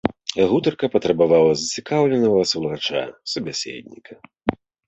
Гутарка патрабавала зацікаўленага слухача, субяседніка.